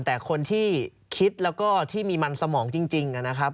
แต่คนที่คิดแล้วก็ที่มีมันสมองจริงนะครับ